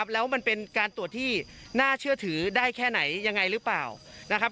แล้วว่ามันเป็นการตรวจหน้าเชื่อถือได้แค่ไหนยังไงหรือเปล่า